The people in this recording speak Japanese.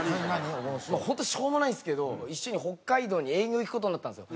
本当にしょうもないんですけど一緒に北海道に営業行く事になったんですよ。